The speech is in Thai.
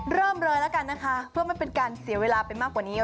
เริ่มเลยแล้วกันนะคะเพื่อไม่เป็นการเสียเวลาไปมากกว่านี้